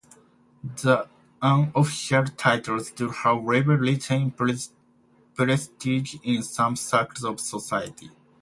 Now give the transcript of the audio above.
The unofficial titles do, however, retain prestige in some circles of society.